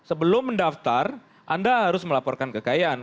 sebelum mendaftar anda harus melaporkan kekayaan